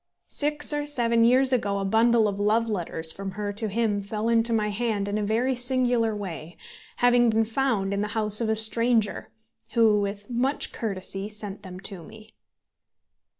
Six or seven years ago a bundle of love letters from her to him fell into my hand in a very singular way, having been found in the house of a stranger, who, with much courtesy, sent them to me.